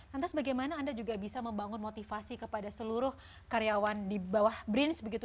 lantas bagaimana anda juga bisa membangun motivasi kepada seluruh karyawan di bawah brins begitu